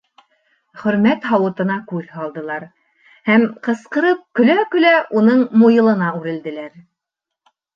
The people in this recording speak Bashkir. Хөрмәт һауытына күҙ һалдылар һәм... ҡысҡырып көлә-көлә уның муйылына үрелделәр.